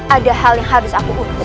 ada hal yang harus aku untuk